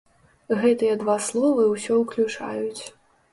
Гэтыя два словы ўсё ўключаюць.